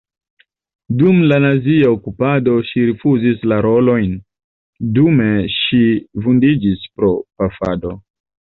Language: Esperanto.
Dum la nazia okupado ŝi rifuzis la rolojn, dume ŝi vundiĝis pro pafado.